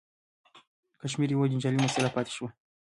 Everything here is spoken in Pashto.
کشمیر یوه جنجالي مسله پاتې شوه.